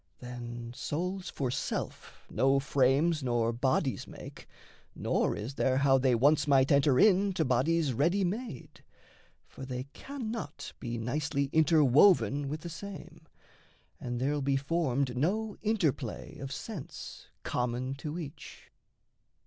Then, souls for self no frames nor bodies make, Nor is there how they once might enter in To bodies ready made for they cannot Be nicely interwoven with the same, And there'll be formed no interplay of sense Common to each.